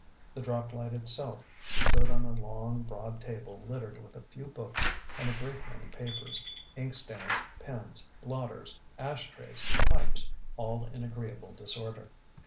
The drop light itself stood on a long, broad table littered with a few books and a great many papers, inkstands, pens, blotters, ash trays, pipes: all in agreeable disorder.